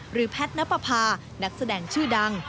หรือแพทย์นับภานักแสดงชื่อดัง